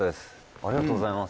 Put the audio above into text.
ありがとうございます